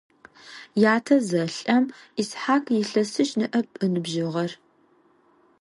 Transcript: Ятэ зэлӀэм Исхьакъ илъэсищ ныӀэп ыныбжьыгъэр.